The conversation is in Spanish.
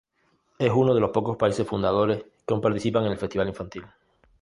Es uno de los pocos países fundadores que aún participan en el festival infantil.